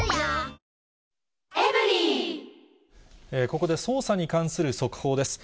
ここで捜査に関する速報です。